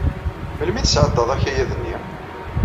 Melmi i tesɛeddaḍ akayad-nni?